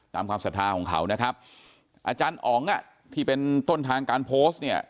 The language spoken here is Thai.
ความศรัทธาของเขานะครับอาจารย์อ๋องอ่ะที่เป็นต้นทางการโพสต์เนี่ย